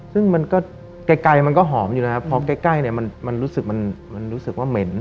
ซึ่งมันก็ไกลมันก็หอมอยู่นะครับพอใกล้เนี่ยมันรู้สึกมันรู้สึกว่าเหม็น